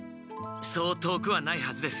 そう遠くはないはずです。